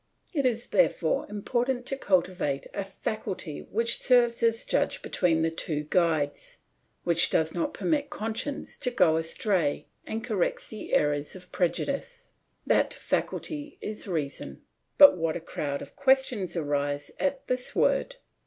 It is, therefore, important to cultivate a faculty which serves as judge between the two guides, which does not permit conscience to go astray and corrects the errors of prejudice. That faculty is reason. But what a crowd of questions arise at this word.